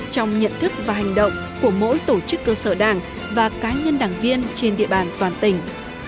trong nhận thức và hành động của mỗi tổ chức cơ sở đảng và cá nhân đảng viên trên địa bàn toàn tỉnh